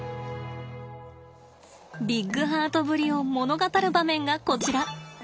ビッグハートぶりを物語る場面がこちら。